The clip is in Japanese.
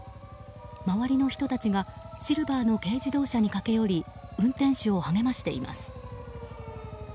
周りの人たちがシルバーの軽自動車に駆け寄り運転手を励ましています。